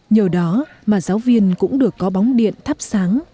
nhờ đó mà giáo viên cũng được có bóng điện thắp sáng